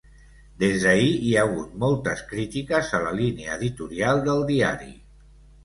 Des d’ahir hi ha hagut moltes crítiques a la línia editorial del diari.